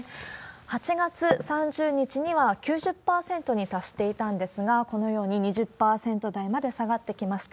８月３０日には９０％に達していたんですが、このように２０％台まで下がってきました。